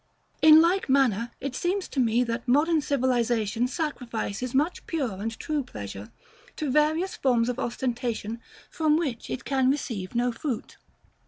In like manner, it seems to me that modern civilization sacrifices much pure and true pleasure to various forms of ostentation from which it can receive no fruit.